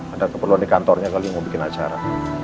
ada keperluan di kantornya kali mau bikin acara